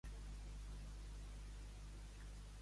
Pertany al moviment independentista la Martirio?